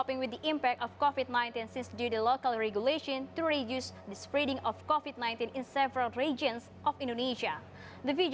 pertama tama saya ingin menjelaskan kesempatan covid sembilan belas dan penyelamat ekonomi jakarta